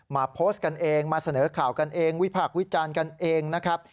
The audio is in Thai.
โพสต์กันเองมาเสนอข่าวกันเองวิพากษ์วิจารณ์กันเองนะครับ